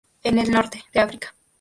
En el norte de África.